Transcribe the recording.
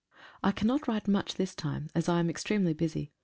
3 CANNOT write much this time, as I am extremely busy.